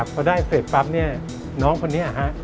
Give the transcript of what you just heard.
พอได้เสร็จปั๊บน้องคนนี้